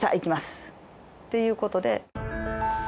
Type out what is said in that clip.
っていうことで。